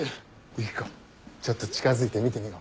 ユキコちょっと近づいて見てみろ。